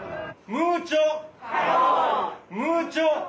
ムーチョ！